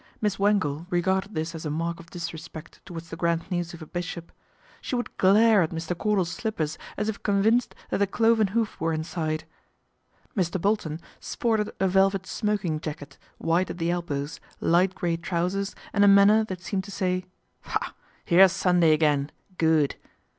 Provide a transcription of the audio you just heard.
Miss Wangle regarded this as a mark of disrespect towards the grand niece of a bishop. She would glare at Mr. Cordal's slippers as if con vinced that the cloven hoof were inside. Mr. Bolton sported a velvet smoking jacket, white at the elbows, light grey trousers and a manner that seemed to say, " Ha ! here's Sunday again, good